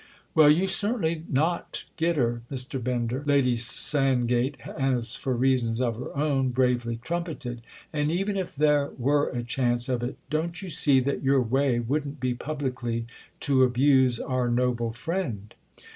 "Well, you'll certainly not 'get' her, Mr. Bender," Lady Sandgate, as for reasons of her own, bravely trumpeted; "and even if there were a chance of it don't you see that your way wouldn't be publicly to abuse our noble friend?"